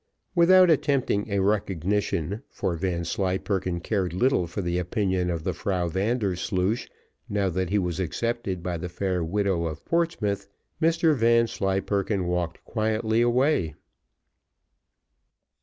Without attempting a recognition, for Vanslyperken cared little for the opinion of the Frau Vandersloosh, now that he was accepted by the fair widow of Portsmouth, Mr Vanslyperken walked quietly away.